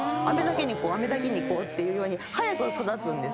アメだけに行こうっていうように早く育つんです。